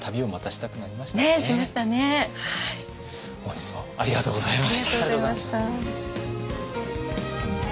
本日もありがとうございました。